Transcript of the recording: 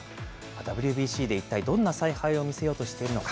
ＷＢＣで一体どんな采配を見せようとしているのか。